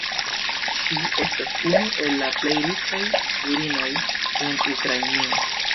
Ŝi estas unu el la plej riĉaj virinoj en Ukrainio.